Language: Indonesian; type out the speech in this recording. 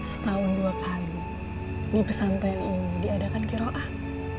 setahun dua kali di pesantren ini diadakan kiroan